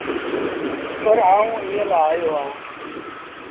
پر آئوٚنٚ ايٚئي لآ آيو اهآنٚ